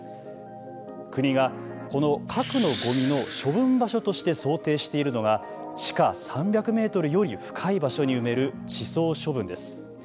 国がこの核のごみの処分場所として想定しているのが地下３００メートルより深い場所に埋める地層処分です。